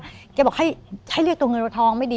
ถ้าเขาบอกให้เรียกตัวเงินโทรธองไม่ดี